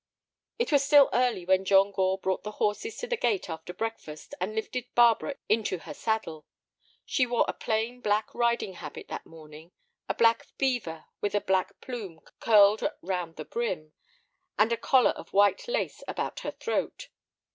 It was still early when John Gore brought the horses to the gate after breakfast and lifted Barbara into her saddle. She wore a plain black riding habit that morning, a black beaver with a black plume curled round the brim, and a collar of white lace about her throat.